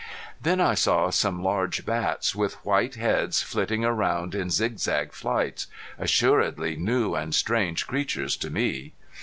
Then I saw some large bats with white heads flitting around in zigzag flights assuredly new and strange creatures to me.